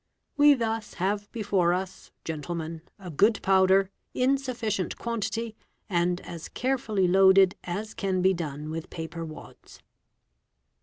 We thus have befor us, gentlemen, a good powder, in sufficient quantity, and as carefull loaded as can be done with paper wads."